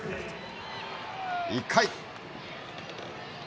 １回。